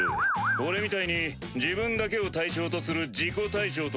俺みたいに自分だけを対象とする自己対象と。